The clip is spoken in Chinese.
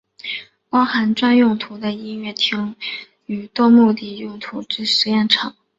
包含专门用途的音乐厅与多目的用途之实验剧场。